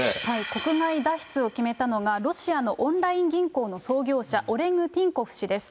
国外脱出を決めたのがロシアのオンライン銀行の創業者、オレグ・ティンコフ氏です。